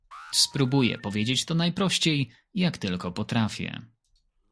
Spróbuję powiedzieć to najprościej, jak tylko potrafię